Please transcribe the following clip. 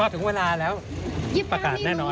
ถึงเวลาแล้วรีบประกาศแน่นอน